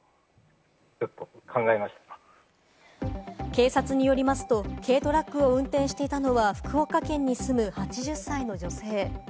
警察によりますと、軽トラックを運転していたのは福岡県に住む８０歳の女性。